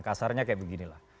kasarnya kayak beginilah